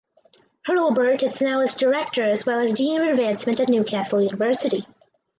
Hurlbert is now its Director as well as Dean of Advancement at Newcastle University.